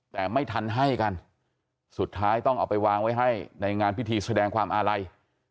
แต่ไม่ทันให้กันสุดท้ายต้องเอาไปวางไว้ให้ในงานพิธีแสดงความอาลัย